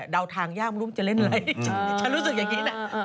เดาทางยากของรุมจะเล่นอะไรฉันรู้สึกอย่างนี้นะ